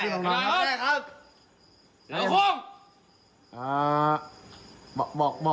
เสื้อควมเสื้อควม